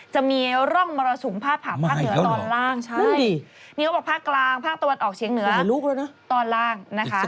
จะมีร่องมรสุมภาพผลาภพภาคเหนือตอนล่าง